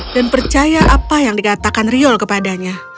dan percaya apa yang digatakan riol kepadanya